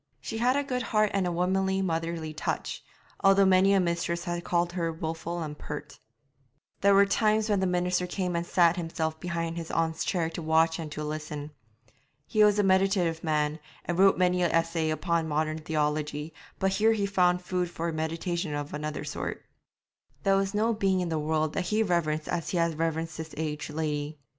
She had a good heart and a womanly, motherly touch, although many a mistress had called her wilful and pert. There were times when the minister came and sat himself behind his aunt's chair to watch and to listen. He was a meditative man, and wrote many an essay upon modern theology, but here he found food for meditation of another sort. There was no being in the world that he reverenced as he had reverenced this aged lady.